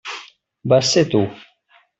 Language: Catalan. Vas ser tu.